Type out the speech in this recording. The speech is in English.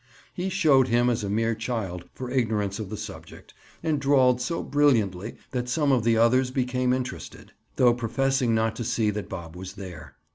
He showed him as a mere child for ignorance of the subject, and drawled so brilliantly that some of the others became interested, though professing not to see that Bob was there.